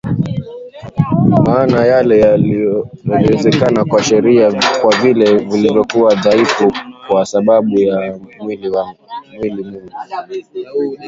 Maana yale yasiyowezekana kwa sheria kwa vile ilivyokuwa dhaifu kwa sababu ya mwili Mungu